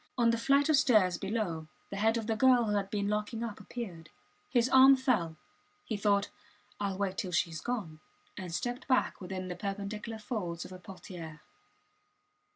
On the flight of stairs below the head of the girl who had been locking up appeared. His arm fell. He thought, Ill wait till she is gone and stepped back within the perpendicular folds of a portiere.